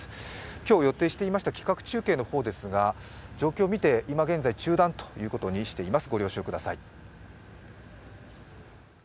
今日予定していました企画中継ですが、状況見て今現在中断ということにしています、ご了承ください。